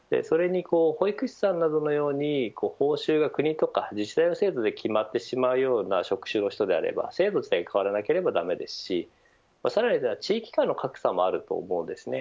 それに保育士さんなどのように報酬が国や自治体の制度で決まってしまうような職種の人では制度自体が変わらないと駄目ですしさらには地域間の格差もあると思います。